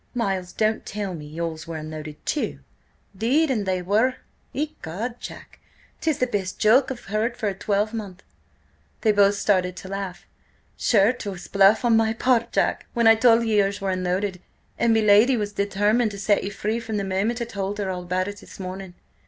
"Miles, don't tell me yours were unloaded, too?" "'Deed an' they were! Ecod, Jack! 'tis the best joke I've heard for a twelvemonth." They both started to laugh. "Sure 'twas bluff on my part, Jack, when I told ye yours was unloaded And me lady was determined to set you free from the moment I told her all about it this morning.